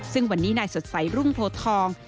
ซึ่งวันนี้นายสดใสรุ่งโพทอง